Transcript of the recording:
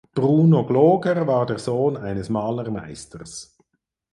Bruno Gloger war der Sohn eines Malermeisters.